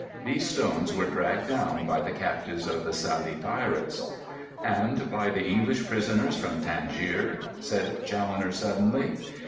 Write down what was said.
These stones were dragged down by the captives of the Salee pirates." "And by the English prisoners from Tangier?" said Challoner suddenly.